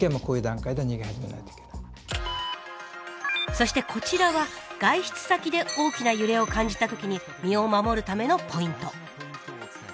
そしてこちらは外出先で大きな揺れを感じた時に身を守るためのポイント。